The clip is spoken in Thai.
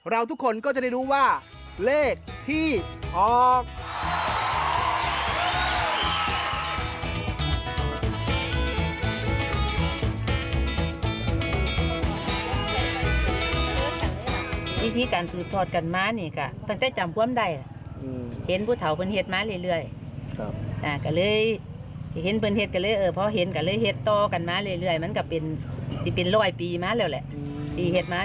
ทุกคนก็จะได้รู้ว่าเลขที่ออก